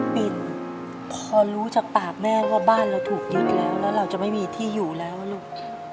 ปินพอรู้จากปากแม่ว่าบ้านเราถูกยึดแล้วแล้วเราจะไม่มีที่อยู่แล้วลูก